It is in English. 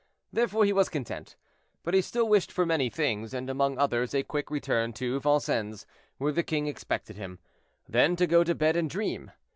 Therefore he was content, but he still wished for many things, and, among others, a quick return to Vincennes, where the king expected him; then to go to bed and dream.